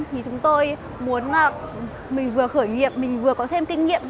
thì chúng tôi muốn là mình vừa khởi nghiệp mình vừa có thêm kinh nghiệm